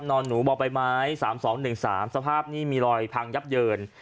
นอนหนูบอกไปไหมสามสองหนึ่งสามสภาพนี่มีรอยพังยับเยิน